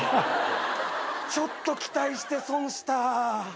ちょっと期待して損した。